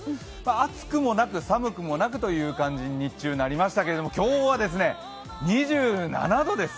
暑くもなく寒くもなくという感じに日中はなりましたけれども、今日はですね、２７度です。